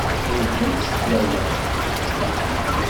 Ur kent-sseḥlayeɣ.